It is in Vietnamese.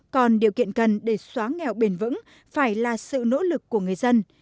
còn điều kiện cần để xóa nghèo bền vững phải là sự nỗ lực của người dân